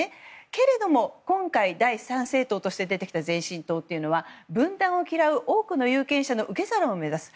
けれども今回、第三政党として出てきた前進党というのは分断を嫌う多くの有権者の受け皿を目指す。